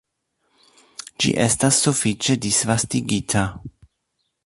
Ĝi estas sufiĉe disvastigita.